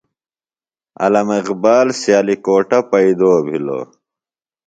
علامہ اقبال سیالکوٹہ پیئدو بِھلوۡ۔